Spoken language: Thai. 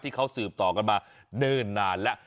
ที่เขาสืบต่อกันมาเนิ่นนานแล้ว